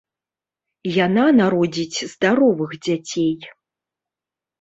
Яна народзіць здаровых дзяцей.